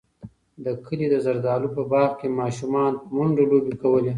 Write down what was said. د کلي د زردالیو په باغ کې ماشومانو په منډو لوبې کولې.